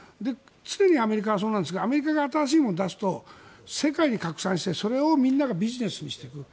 常にアメリカはそうなんですけどアメリカが新しいものを出すと世界に拡散してそれをみんながビジネスにしてくる。